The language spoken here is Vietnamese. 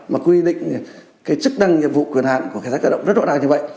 mà quy định cái chức năng nhiệm vụ quyền hạn của cảnh sát cơ động rất rõ ràng như vậy